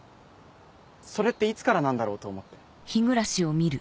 それっていつからなんだろうと思って。